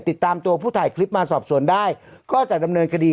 ติดตามตัวผู้ถ่ายคลิปมาสอบสวนได้ก็จะดำเนินคดี